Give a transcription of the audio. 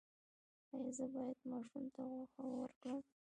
ایا زه باید ماشوم ته غوښه ورکړم؟